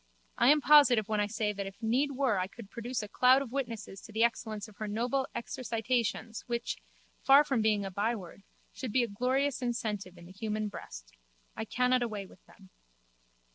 I am positive when I say that if need were I could produce a cloud of witnesses to the excellence of her noble exercitations which, so far from being a byword, should be a glorious incentive in the human breast. I cannot away with them.